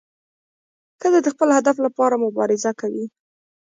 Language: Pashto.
ښځه د خپل هدف لپاره مبارزه کوي.